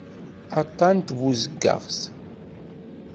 Aṭṭan n tbuzeggaɣt.